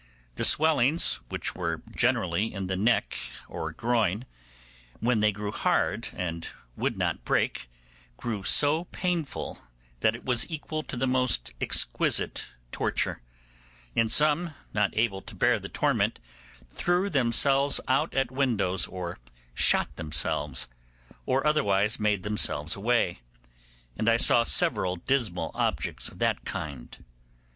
The swellings, which were generally in the neck or groin, when they grew hard and would not break, grew so painful that it was equal to the most exquisite torture; and some, not able to bear the torment, threw themselves out at windows or shot themselves, or otherwise made themselves away, and I saw several dismal objects of that kind.